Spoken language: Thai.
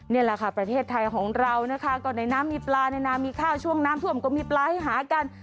นี่แหละค่ะประเทศไทยของเรานะคะก็ในน้ำมีปลาในน้ำมีข้าวช่วงน้ำท่วมก็มีปลาให้หากัน